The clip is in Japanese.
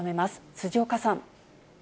辻岡さん。